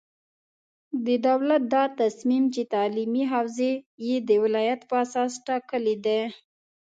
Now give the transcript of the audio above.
د دولت دا تصمیم چې تعلیمي حوزې یې د ولایت په اساس ټاکلې دي،